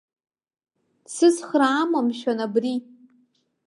Дсыцхраама, мшәан, абри?